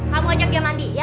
kamu ajak dia mandi